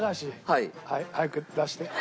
はい早く出して。